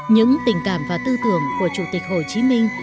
những tình cảm và tư tưởng của chủ tịch hồ chí minh